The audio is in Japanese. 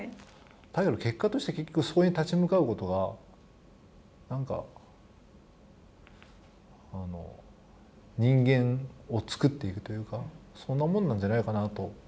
だけど、結果として結局、そこに立ち向かうことがなんか人間を作っていくというかそんなもんなんじゃないかなと。